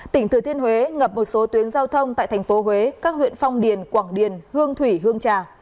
tỉnh thừa thiên huế ngập một số tuyến giao thông tại thành phố huế các huyện phong điền quảng điền hương thủy hương trà